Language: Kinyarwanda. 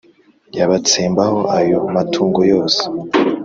Yabatsembaho ayo matungo yose